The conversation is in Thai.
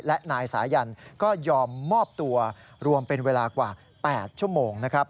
และนายสายันก็ยอมมอบตัวรวมเป็นเวลากว่า๘ชั่วโมงนะครับ